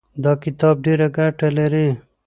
دا کتاب ډېره ګټه لري.